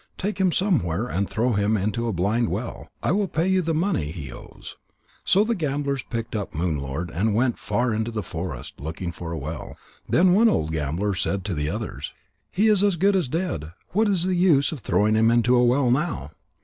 Take him somewhere and throw him into a blind well. I will pay you the money he owes." So the gamblers picked Moon lord up and went far into the forest, looking for a well. Then one old gambler said to the others: "He is as good as dead. What is the use of throwing him into a well now?